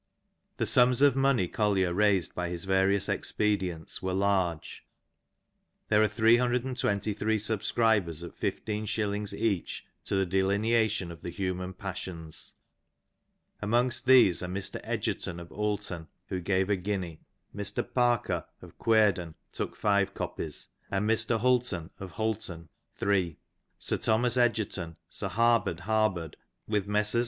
The sums of money Collier raised by his various expedients were large. There are 323 subscribers at fifteen shillings each to the Delineation of the Human Paeeions. Amongst these are Mr. Egerton of Oulton, who gave a guinea. Mr. Parker of Cuerden took five copies, and Mr. Hulton of Hulton three. Sir Thomas Egerton, Sir Harbord Harbord, with Messrs.